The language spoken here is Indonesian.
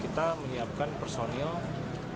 kita menyiapkan personil pengamanan